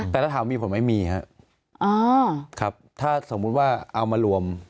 แต่ถ้าถามมีผมไม่มีครับอ๋อครับถ้าสมมุติว่าเอามารวม